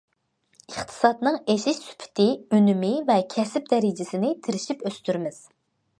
ئىقتىسادنىڭ ئېشىش سۈپىتى، ئۈنۈمى ۋە كەسىپ دەرىجىسىنى تىرىشىپ ئۆستۈرىمىز.